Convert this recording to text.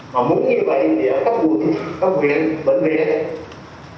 mà muốn như vậy thì ở các quận các viện bệnh viện